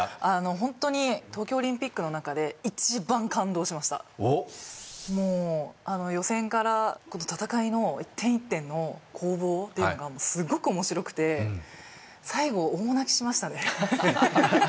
本当に東京オリンピックの中で一番感動しましたおっもう予選から戦いの１点１点の攻防っていうのがすごく面白くてうん最後大泣きしましたね